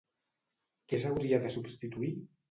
Què s'hauria de substituir?